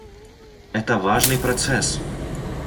Это важный процесс.